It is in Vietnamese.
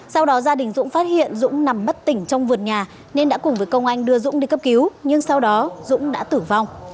sau đó gia đình dũng phát hiện dũng nằm bất tỉnh trong vườn nhà nên đã cùng với công anh đưa dũng đi cấp cứu nhưng sau đó dũng đã tử vong